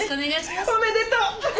おめでとう！